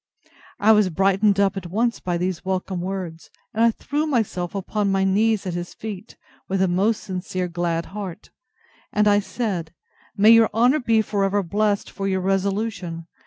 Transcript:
I was brightened up at once with these welcome words, and I threw myself upon my knees at his feet, with a most sincere glad heart; and I said, May your honour be for ever blessed for your resolution!